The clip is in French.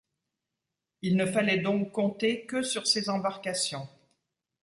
Il ne fallait donc compter que sur ses embarcations.